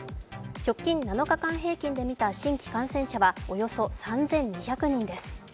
直近７日間平均でみた新規感染者はおよそ３２００人です。